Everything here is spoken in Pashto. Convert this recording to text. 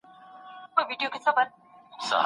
څوک د بندیزونو د لیري کولو غوښتنه کوي؟